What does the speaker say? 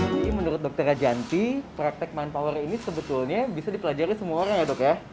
menurut dokter rajanti praktek manpower ini sebetulnya bisa dipelajari semua orang ya dok ya